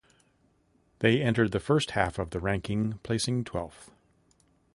They entered the first half of the ranking, placing twelfth.